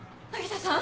凪田さん！